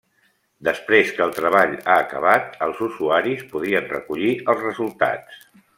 Després que el treball ha acabat, els usuaris podien recollir els resultats.